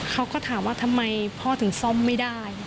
เขาก็ถามว่าทำไมพ่อถึงซ่อมไม่ได้